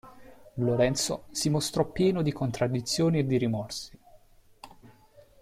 Lorenzo si mostrò pieno di contraddizioni e di rimorsi.